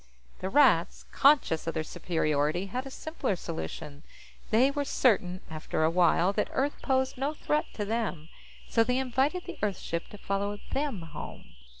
The Rats, conscious of their superiority, had a simpler solution. They were certain, after a while, that Earth posed no threat to them, so they invited the Earth ship to follow them home.